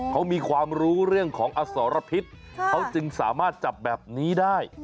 เขามีความรู้เรื่องของอสรพิษเขาจึงสามารถจับแบบนี้ได้